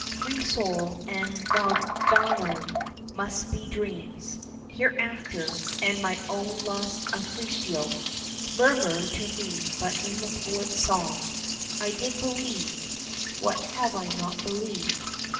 Fiesole and Valdarno must be dreams Hereafter, and my own lost Affrico Murmur to me but in the poet's song. I did believe (what have I not believed?)